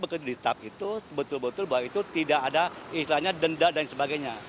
jadi di tap itu betul betul bahwa itu tidak ada isilahnya denda dan sebagainya